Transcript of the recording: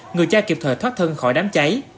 người trai kịp thời thoát thân khỏi đám cháy